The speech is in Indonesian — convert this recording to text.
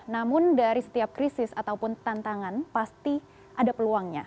namun dari setiap krisis ataupun tantangan pasti ada peluangnya